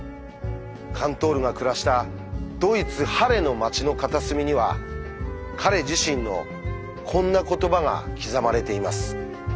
カントールが暮らしたドイツ・ハレの街の片隅には彼自身のこんな言葉が刻まれています。